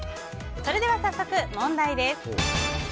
それでは早速、問題です。